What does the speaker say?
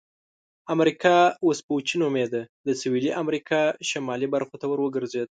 امریکا وسپوچې نومیده د سویلي امریکا شمالي برخو ته وګرځېد.